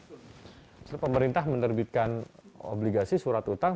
misalnya pemerintah menerbitkan obligasi surat hutang